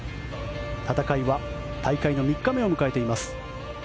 戦いは大会の３日目を迎えています。